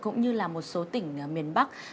cũng như là một số tỉnh miền bắc